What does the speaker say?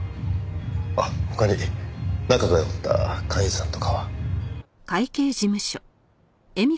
あっ他に仲が良かった会員さんとかは？